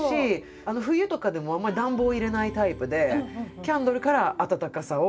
冬とかでもあんまり暖房を入れないタイプでキャンドルから暖かさをもらうという。